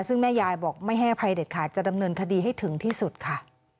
ซึ่งแม่ยายบอกไม่ให้อภัยเด็ดขาดจะดำเนินคดีให้ถึงที่สุดค่ะ